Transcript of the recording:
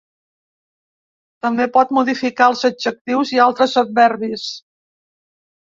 També pot modificar els adjectius i altres adverbis.